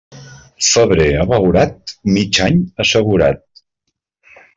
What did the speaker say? Febrer abeurat, mig any assegurat.